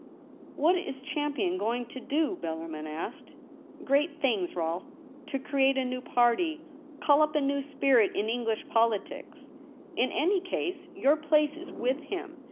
* What is Champion going to do ?' Bellar min asked. * Great things, Rolfe. To create a new party — call up a new spirit in English poli tics. In any case, your place is with him.